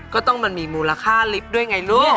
ก็ต้องมีมูลค่าลิปด้วยไงลูก